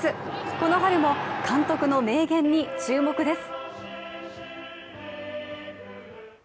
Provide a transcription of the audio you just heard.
この春も監督の名言に注目です。